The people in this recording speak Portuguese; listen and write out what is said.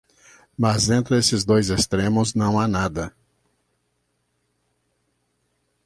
Mas, entre esses dois extremos, não há nada.